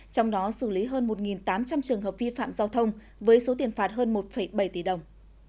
trong đó xử lý hơn một tám trăm linh trường hợp vi phạm giao thông với số tiền phạt hơn một bảy tỷ đồng